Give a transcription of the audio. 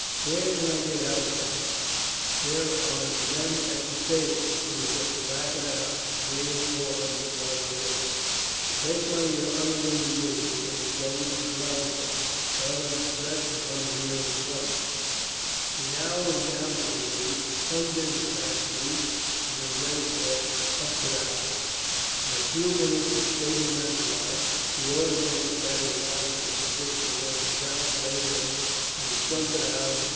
"Where can I get help from?" "There are the men at the stables. It is at the back of the house, three or four hundred yards away." "Well, take one of the other women with you, and go and rouse them. Tell them to dress and come here, at once." He now went down to the gate, undid the fastening, and then led his horse up to the house. In a few minutes the stablemen arrived. He ordered them to carry the bodies of the six marauders out, and lay them in front of the house.